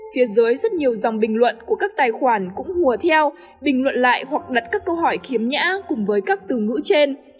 phía dưới rất nhiều dòng bình luận của các tài khoản cũng hùa theo bình luận lại hoặc đặt các câu hỏi khiếm nhã cùng với các từ ngữ trên